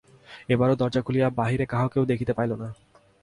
এবারও দরজা খুলিয়া বাহিরে কাহাকেও দেখিতে পাইল না।